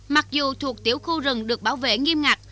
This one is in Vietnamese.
mặc dù thuộc tiểu khu rừng được bảo vệ nghiêm ngặt